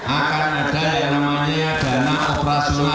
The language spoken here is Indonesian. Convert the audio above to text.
akan ada yang namanya dana operasional